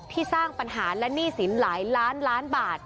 สร้างปัญหาและหนี้สินหลายล้านล้านบาท